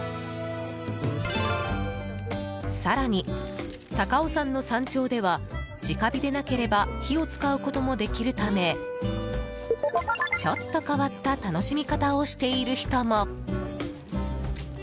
更に、高尾山の山頂では直火でなければ火を使うこともできるためちょっと変わった楽しみ方をしている人も。